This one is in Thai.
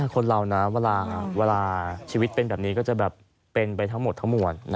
คนเรานะเวลาชีวิตเป็นแบบนี้ก็จะแบบเป็นไปทั้งหมดทั้งมวล